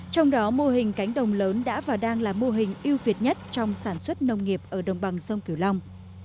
trong đó mô hình cánh đồng lớn đã và đang là mô hình ưu việt nhất trong sản xuất nông nghiệp ở đồng bằng sông kiều long